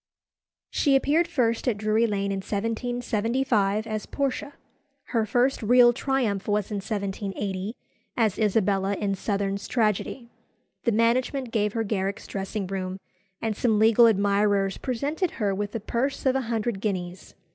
She appeared first at Drury Lane in 1775 as Portia. Her first real triumph was in 1780, as Isabella in Southerne's tragedy. The management gave her Garrick's dressing room, and some legal admirers presented her with a purse of a hundred guineas.